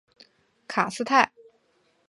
卡斯泰。